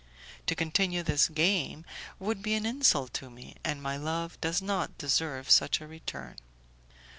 To continue this game would be an insult to me, and my love does not deserve such a return."